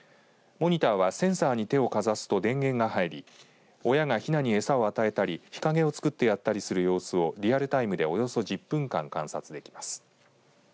モニターはセンサーに手をかざすと電源が入り親がひなに餌を与えたり日陰を作ってやったりする様子をリアルタイムでおよそ１０分間観察できます。